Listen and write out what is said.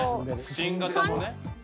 新型のね。